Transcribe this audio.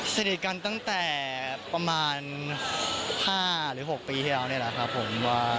สนิทกันตั้งแต่ประมาณ๕๖ปีที่แล้วนะครับผม